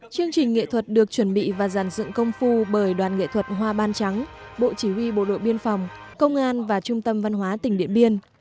chương trình nghệ thuật được chuẩn bị và giàn dựng công phu bởi đoàn nghệ thuật hoa ban trắng bộ chỉ huy bộ đội biên phòng công an và trung tâm văn hóa tỉnh điện biên